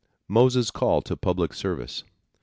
MOSES' CALL TO PUBLIC SERVICE.